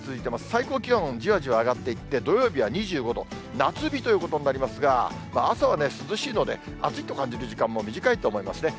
最高気温、じわじわ上がっていって、土曜日は２５度、夏日ということになりますが、朝は涼しいので、暑いと感じる時間も短いと思いますね。